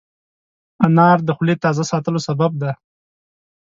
انار د خولې تازه ساتلو سبب دی.